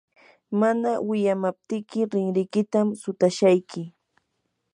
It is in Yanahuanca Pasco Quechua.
mana wiyamaptiyki rinrikitam sutashayki.